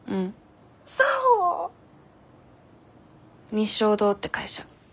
日粧堂って会社。